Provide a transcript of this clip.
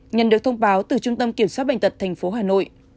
nhận được thông báo từ trung tâm kiểm soát bệnh tật thành phố hà nội